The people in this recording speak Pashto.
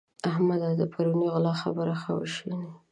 احمده! د پرونۍ غلا خبره ښه وشنئ.